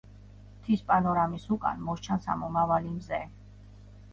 მთის პანორამის უკან მოსჩანს ამომავალი მზე.